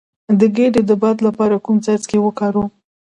د ګیډې د باد لپاره کوم څاڅکي وکاروم؟